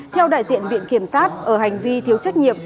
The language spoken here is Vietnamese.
theo đại diện viện kiểm sát ở hành vi thiếu trách nhiệm